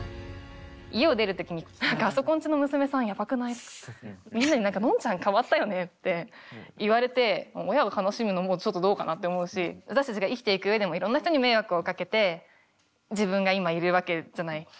家を出る時に「あそこんちの娘さんやばくない？」とかみんなに「のんちゃん変わったよね」って言われて親が悲しむのもちょっとどうかなって思うし私たちが生きていく上でもいろんな人に迷惑をかけて自分が今いるわけじゃない？